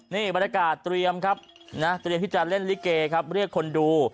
นี่บรรยากาศเตรียมครับนะเตรียมที่จะเล่นลิเกครับเรียกคนดู